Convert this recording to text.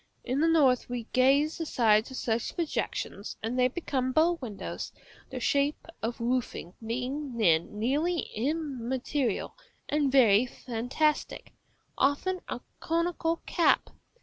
In the north we glaze the sides of such projections, and they become bow windows, the shape of roofing being then nearly immaterial and very fantastic, often a conical cap.